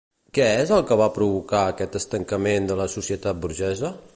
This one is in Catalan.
Què és el que va provocar aquest estancament de la societat burgesa?